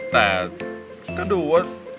แต่ก็ดูว่า